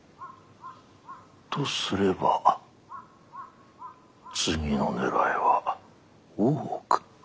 とすれば次の狙いは大奥。